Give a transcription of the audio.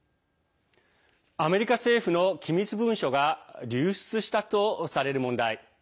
アメリカ政府の機密文書が流出したとされる問題。